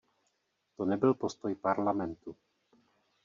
To nebyl postoj Parlamentu.